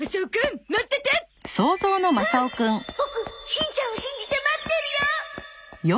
ボクしんちゃんを信じて待ってるよ！